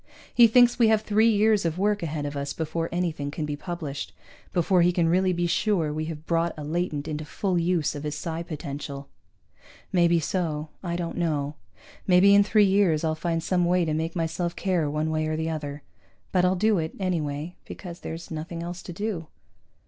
He thinks we have three years of work ahead of us before anything can be published, before he can really be sure we have brought a latent into full use of his psi potential. Maybe so, I don't know. Maybe in three years I'll find some way to make myself care one way or the other. But I'll do it, anyway, because there's nothing else to do.